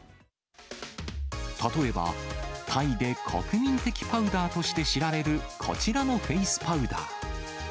例えば、タイで国民的パウダーとして知られる、こちらのフェースパウダー。